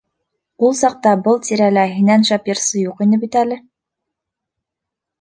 -Ул саҡта был тирәлә һинән шәп йырсы юҡ ине бит әле.